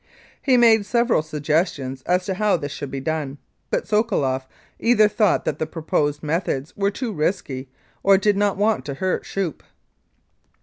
He made several suggestions as to how this should be done, but Sokoloff either thought that the proposed methods were too risky or did not want to hurt Schoeppe.